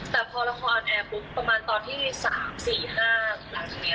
แต่พอละครออนแอร์ปุ๊บประมาณตอนที่๓๔๕หลังจากนี้